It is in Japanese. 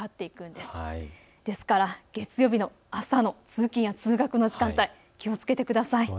ですから月曜日の朝の通勤通学の時間帯、気をつけてください。